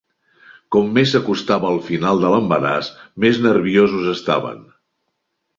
Com més s'acostava el final de l'embaràs, més nerviosos estaven.